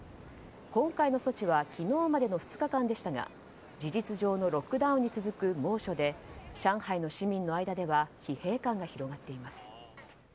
今回の措置は昨日までの２日間でしたが事実上のロックダウンに続く猛暑で上海の市民の間では疲弊感が広がっています。